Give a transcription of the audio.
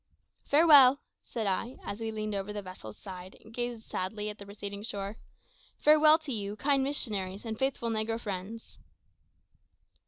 "Farewell," said I, as we leaned over the vessel's side and gazed sadly at the receding shore "farewell to you, kind missionaries and faithful negro friends."